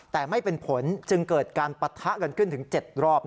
แต่ไม่เป็นผลจึงเกิดการปะทะกันขึ้นถึง๗รอบ